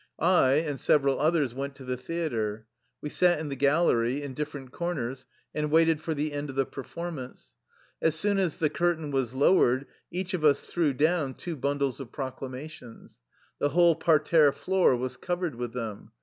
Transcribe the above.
I and several others went to the theater. We sat in the gallery, in different corners, and waited for the end of the performance. As soon as the curtain was low ered, each of us threw down two bundles of proclamations. The whole parterre floor was covered with them.